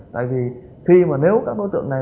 tại vì khi mà nếu các đối tượng này